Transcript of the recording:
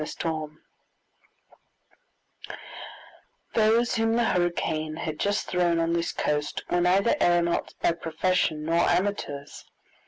Chapter 2 Those whom the hurricane had just thrown on this coast were neither aeronauts by profession nor amateurs.